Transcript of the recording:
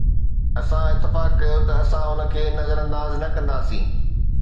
اسان اتفاق ڪيو ته اسان ان کي نظرانداز نه ڪنداسين